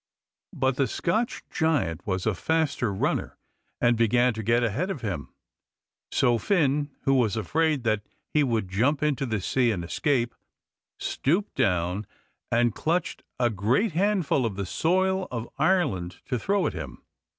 But the Scotch giant was a faster runner and began to get ahead of him, so Finn, who was afraid that he would jump into the sea and escape, stooped down and clutched a great handful of the soil of Ireland to throw at him.